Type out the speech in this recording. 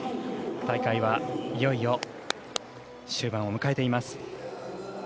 大会はいよいよ終盤を迎えています。